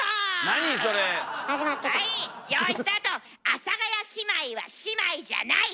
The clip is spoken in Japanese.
阿佐ヶ谷姉妹は姉妹じゃない。